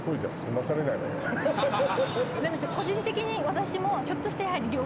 個人的に私も。